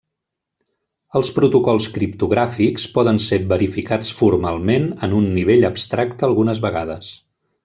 Els protocols criptogràfics poden ser verificats formalment en un nivell abstracte algunes vegades.